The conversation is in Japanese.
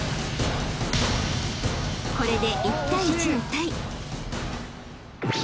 ［これで１対１のタイ］